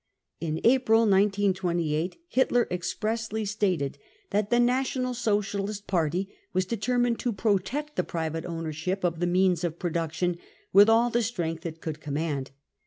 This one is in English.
In April 1928 Hitler expressly stated that the National Socialist Party was determined to protect the private ownership of the means of production with all the strength it could command.